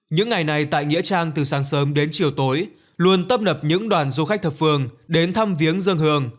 những ngày này tại nghĩa trang từ sáng sớm đến chiều tối luôn tấp nập những đoàn du khách thập phương đến thăm viếng dân hường